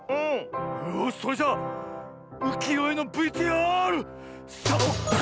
よしそれじゃうきよえのＶＴＲサボッカーン！